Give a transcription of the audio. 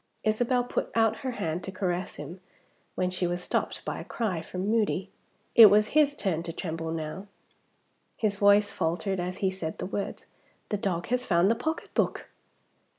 Isabel put out her hand to caress him, when she was stopped by a cry from Moody. It was his turn to tremble now. His voice faltered as he said the words, "The dog has found the pocketbook!"